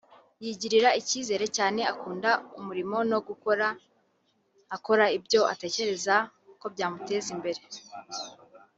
yigirira icyizere kandi akunda umurimo no guhora akora ibyo atekereza ko byamuteza imbere